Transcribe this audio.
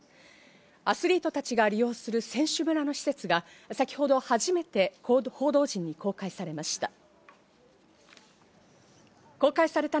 アスリートたちが利用する選手村の施設が先ほど初めて報道陣に公開されました。